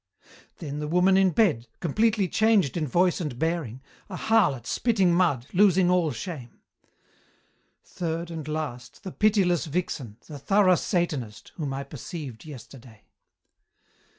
"Then the woman in bed, completely changed in voice and bearing, a harlot spitting mud, losing all shame. "Third and last, the pitiless vixen, the thorough Satanist, whom I perceived yesterday.